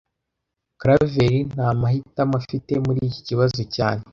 Karaveri nta mahitamo afite muri iki kibazo cyane